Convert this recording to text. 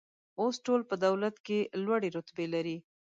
اوس ټول په دولت کې لوړې رتبې لري.